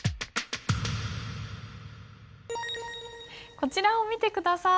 こちらを見て下さい。